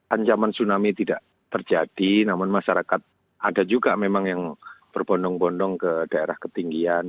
ancaman tsunami tidak terjadi namun masyarakat ada juga memang yang berbondong bondong ke daerah ketinggian